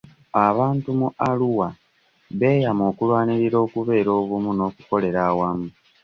Abantu mu Arua beyama okulwanirira okubeera obumu n'okukolera awamu.